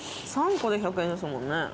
３個で１００円ですもんね。